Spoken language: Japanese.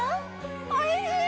おいしい！